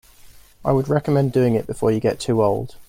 I would recommend doing it before you get too old.